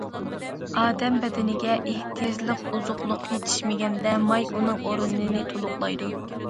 ئادەم بەدىنىگە ئېھتىياجلىق ئوزۇقلۇق يېتىشمىگەندە، ماي ئۇنىڭ ئورنىنى تولۇقلايدۇ.